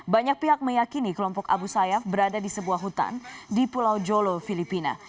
banyak pihak meyakini kelompok abu sayyaf berada di sebuah hutan di pulau jolo filipina